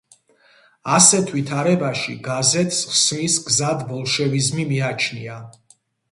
ასეთ ვითარებაში, გაზეთს ხსნის გზად ბოლშევიზმი მიაჩნია.